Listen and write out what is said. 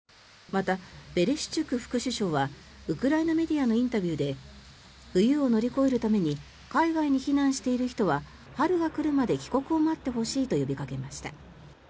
また、ベレシュチュク副首相はウクライナメディアのインタビューで冬を乗り越えるために海外に避難している人は春が来るまで帰国を待ってほしいと呼びかけました。